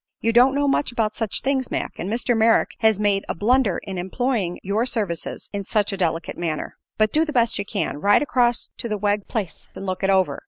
You don't know much about such things, Mac, and Mr. Merrick has made a blunder in employing your services in such a delicate matter. But do the best you can. Ride across to the Wegg place and look it over.